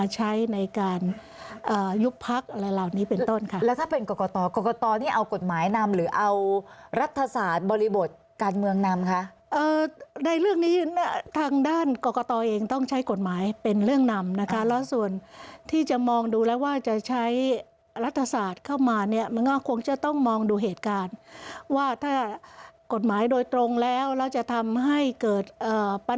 ใช้ในการยุบพักอะไรเหล่านี้เป็นต้นค่ะแล้วถ้าเป็นกรกตกรกตนี่เอากฎหมายนำหรือเอารัฐศาสตร์บริบทการเมืองนำคะในเรื่องนี้ทางด้านกรกตเองต้องใช้กฎหมายเป็นเรื่องนำนะคะแล้วส่วนที่จะมองดูแล้วว่าจะใช้รัฐศาสตร์เข้ามาเนี่ยมันก็คงจะต้องมองดูเหตุการณ์ว่าถ้ากฎหมายโดยตรงแล้วแล้วจะทำให้เกิดปัญหา